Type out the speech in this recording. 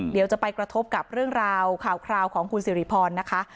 เดี๋ยวจะไปกระทบกับเรื่องราวข่าวคราวของคุณสิริพรนะคะ